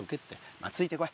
まあついてこい。